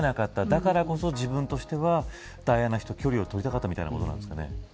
だからこそ、自分としてはダイアナ元妃と距離を取りたかったみたいなことなんですかね。